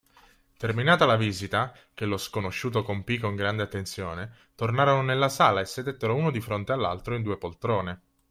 Terminata la visita, che lo sconosciuto compì con grande attenzione, tornarono nella sala e sedettero uno di fronte all'altro in due poltrone.